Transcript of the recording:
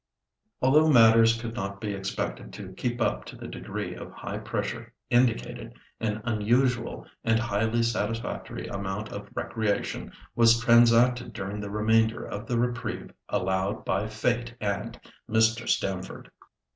Although matters could not be expected to keep up to the degree of high pressure indicated, an unusual and highly satisfactory amount of recreation was transacted during the remainder of the reprieve allowed by fate and Mr. Stamford.